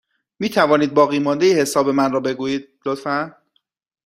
می توانید باقیمانده حساب من را بگویید، لطفا؟